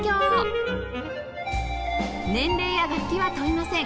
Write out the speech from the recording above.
年齢や楽器は問いません